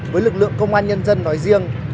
với lực lượng công an nhân dân nói riêng